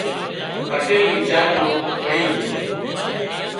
پٽيل ويچار مان پڙي جھو